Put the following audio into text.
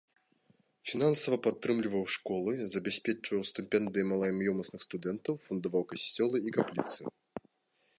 Фінансава падтрымліваў школы, забяспечваў стыпендыяй маламаёмасных студэнтаў, фундаваў касцёлы і капліцы.